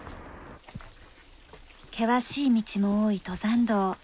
険しい道も多い登山道。